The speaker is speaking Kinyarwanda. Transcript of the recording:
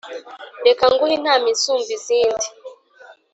reka nguhe inama isumba izindi